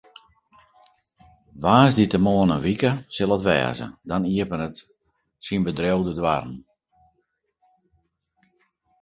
Woansdeitemoarn in wike sil it wêze, dan iepenet syn bedriuw de doarren.